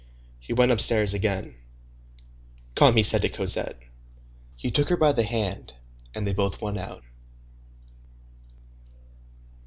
He went upstairs again. "Come." he said to Cosette. He took her by the hand, and they both went out.